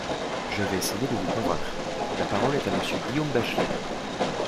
Je vais essayer de vous convaincre ! La parole est à Monsieur Guillaume Bachelay.